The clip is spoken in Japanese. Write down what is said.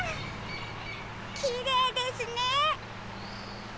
きれいですね！